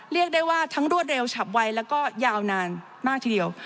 เรียกได้ว่าทั้งรวดเร็วฉับไวแล้วก็ยาวนานมากทีเดียว